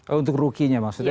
oh untuk rookie nya maksudnya